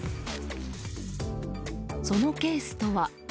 そのケースとは。